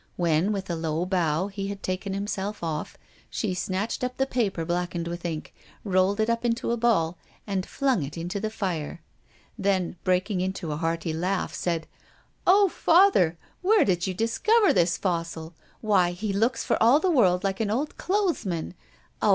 When, with a low bow, he had taken himself off, she snatched up the paper blackened with ink, rolled it up into a ball, and flung it into the fire. Then, breaking into a hearty laugh, said: "Oh! father, where did you discover this fossil? Why, he looks for all the world like an old clothesman. Oh!